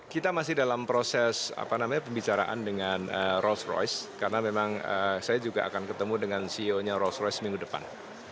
kita masih dalam proses pembicaraan dengan rolls royce karena memang saya juga akan ketemu dengan ceo nya rolls royce minggu depan